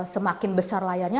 semakin besar layarnya